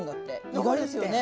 意外ですよね。